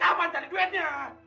kapan tadi duitnya